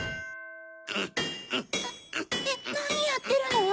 えっなにやってるの？